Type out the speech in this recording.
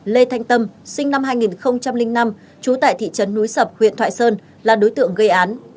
lê thanh tâm sinh năm hai nghìn năm trú tại thị trấn núi sập huyện thoại sơn là đối tượng gây án